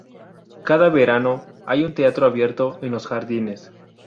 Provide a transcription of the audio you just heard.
Cada verano, hay un teatro abierto en los jardines.